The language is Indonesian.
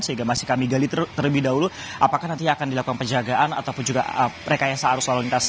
sehingga masih kami gali terlebih dahulu apakah nanti akan dilakukan penjagaan ataupun juga rekayasa arus lalu lintas